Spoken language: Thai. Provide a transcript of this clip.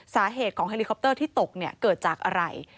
สาเหตุของเฮลิคอปเตอร์ที่ตกเกิดจากอะไร